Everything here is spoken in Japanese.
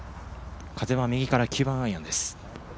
風は右から９番アイアンです。